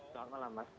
selamat malam mas